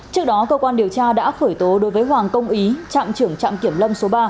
trước đó cơ quan điều tra đã khởi tố đối với hoàng công ý trạm trưởng trạm kiểm lâm số ba